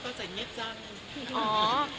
ก็เลยว่ามีภาษาเง็บจ้าง